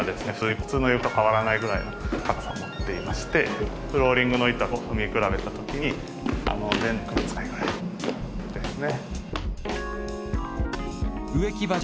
普通の床と変わらないくらいの硬さを持っていましてこういうフローリングの板と踏み比べたときに全然区別がつかないくらいですね。